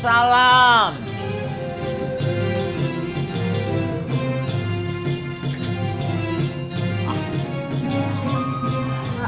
perdi waktu sekarang